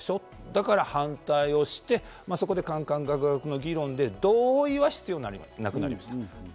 だから反対をして、そこで、カンカン、ガクガクの議論で同意は必要になくなりました。